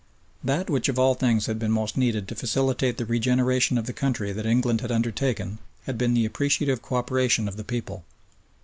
That which of all things had been most needed to facilitate the regeneration of the country that England had undertaken had been the appreciative co operation of the people.